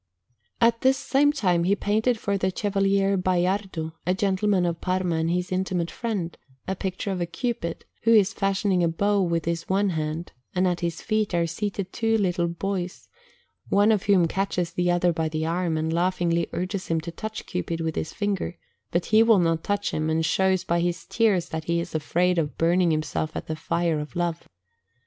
At this same time he painted for the Chevalier Baiardo, a gentleman of Parma and his intimate friend, a picture of a Cupid, who is fashioning a bow with his own hand, and at his feet are seated two little boys, one of whom catches the other by the arm and laughingly urges him to touch Cupid with his finger, but he will not touch him, and shows by his tears that he is afraid of burning himself at the fire of Love.